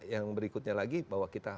yang berikutnya lagi bahwa kita